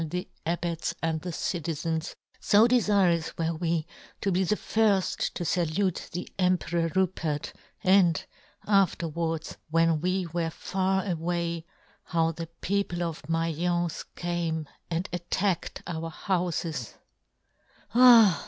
the abbots and the citizens, fo de " firous were we to be the firft to " falute the Emperor Rupert ; and, " afterwards, when we were far away, " how the people of Mai'ence came " and attacked our houfes "" Ah